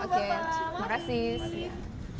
oke terima kasih